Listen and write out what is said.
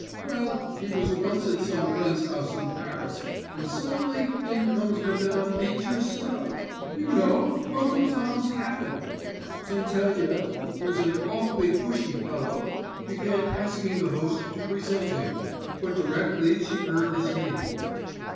Well, he was once at some friend's house in Paris, and suddenly in comes Madame Beecher Stowe you know, Uncle Tom's Cabin. Tentelyev, who's an awfully pushing fellow, began asking the host to present him; but directly she heard his name.